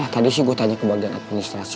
eh tadi gue tanya ke bagian administrasi